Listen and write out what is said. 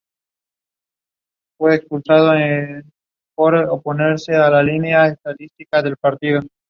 No es recomendado para personas que presenten obstrucción de intestino o neumotórax.